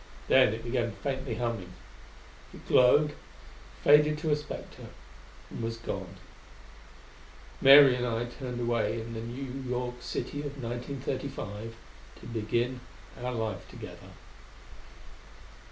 Then it began faintly humming. It glowed; faded to a spectre; and was gone. Mary and I turned away into the New York City of 1935, to begin our life together.